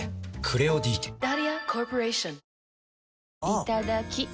いただきっ！